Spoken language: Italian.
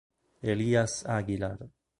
Elías Aguilar